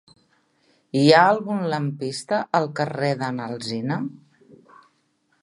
Hi ha algun lampista al carrer de n'Alsina?